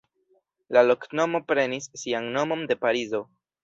La loknomo prenis sian nomon de Parizo.